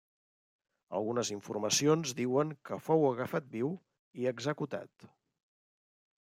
Algunes informacions diuen que fou agafat viu i executat.